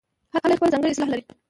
هر کلی خپله ځانګړې اصطلاح لري.